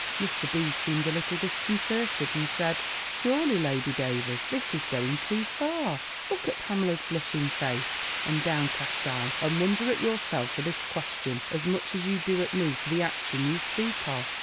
Mr. B. seemed a little disconcerted, and said, "Surely, Lady Davers, this is going too far! Look at Pamela's blushing face, and downcast eye, and wonder at yourself for this question, as much as you do at me for the action you speak of."